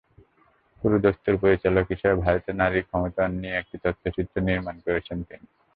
পুরোদস্তুর পরিচালক হিসেবে ভারতে নারীর ক্ষমতায়ন নিয়ে একটি তথ্যচিত্র নির্মাণ করছেন তিনি।